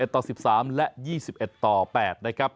ต่อ๑๓และ๒๑ต่อ๘นะครับ